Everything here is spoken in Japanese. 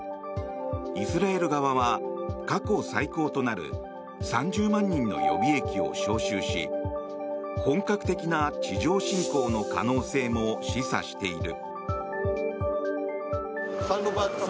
イスラエル側は過去最高となる３０万人の予備役を招集し本格的な地上侵攻の可能性も示唆している。